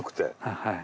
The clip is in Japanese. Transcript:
はい。